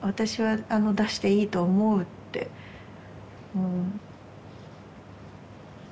うん。